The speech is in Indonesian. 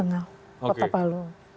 tengah tengah kota palu